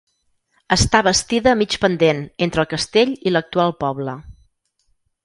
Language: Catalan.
Està bastida a mig pendent entre el castell i l'actual poble.